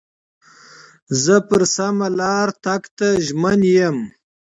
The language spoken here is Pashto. زه پر سمه لار تګ ته ژمن یم.